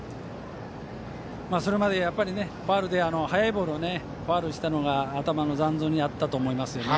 それまで速いボールをファウルしたのが頭の残像にあったと思います。